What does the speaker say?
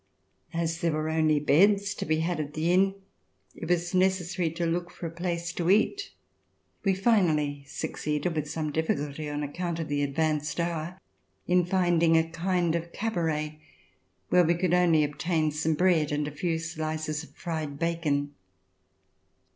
As there were only beds to be had at the inn, it was necessary to look for a place to eat. We finally succeeded, with some difficulty, on account of the advanced hour, in finding a kind of cabaret, where we could only obtain some bread and a few slices of fried bacon.